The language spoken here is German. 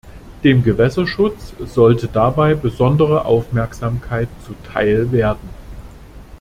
Dem Gewässerschutz sollte dabei besondere Aufmerksamkeit zuteil werden.